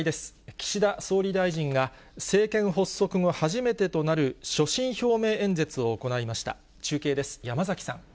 岸田総理大臣が、政権発足後初めてとなる所信表明演説を行いました。